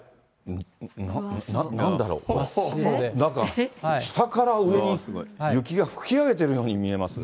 なんだろう、なんか下から上に、雪吹き上げているように見えますが。